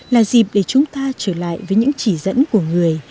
là dịp để chúng ta trở lại với những chỉ dẫn của người